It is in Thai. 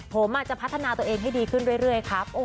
ผมจะพัฒนาตัวเองให้ดีขึ้นเรื่อยครับ